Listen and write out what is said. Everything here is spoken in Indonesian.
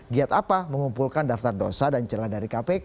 giat apa mengumpulkan daftar dosa dan celah dari kpk